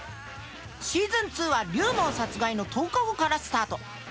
シーズン２は龍門殺害の１０日後からスタート。